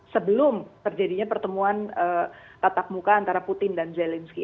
sebelum terjadinya pertemuan tatap muka antara putin dan zelensky